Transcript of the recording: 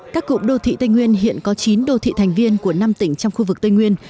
các cụm đô thị tây nguyên hiện có chín đô thị thành viên của năm tỉnh trong khu vực tây nguyên